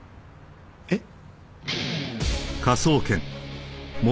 えっ？